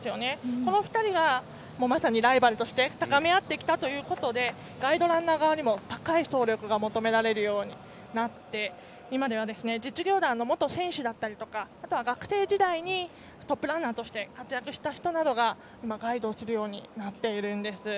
この２人がまさにライバルとして高め合ってきたということでガイドランナー側にも高い走力が求められるようになって今では実業団の元選手だったりあとは学生時代にトップランナーとして活躍した人などが今、ガイドをするようになっているんです。